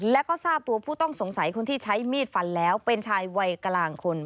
แล้วก็ทราบตัวผู้ต้องสงสัยคนที่ใช้มีดฟันแล้วเป็นชายวัยกลางคน